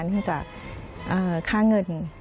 เนื่องจากค่าเงิน